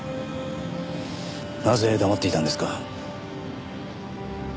なぜ黙っていたんですか？